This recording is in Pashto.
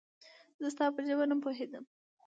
زه ستا په ژبه نه پوهېږم